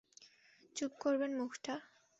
চুপ করবেন মুখটা?